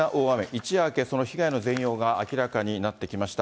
一夜明け、その被害の全容が明らかになってきました。